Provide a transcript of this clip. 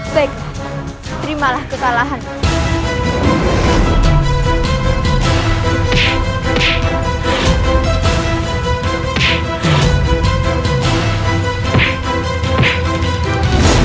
baiklah terimalah kesalahanmu